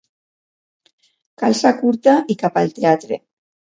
Calça curta i cap al teatre.